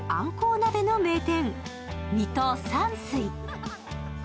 鍋の名店、水戸山翠。